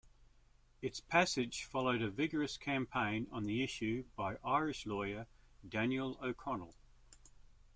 Its passage followed a vigorous campaign on the issue by Irish lawyer Daniel O'Connell.